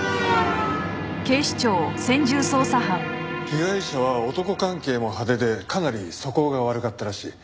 被害者は男関係も派手でかなり素行が悪かったらしい。